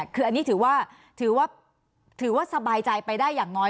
คืออันนี้ถือว่าถือว่าสบายใจไปได้อย่างน้อย